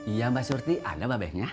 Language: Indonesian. iya mbak surti ada mbak be nya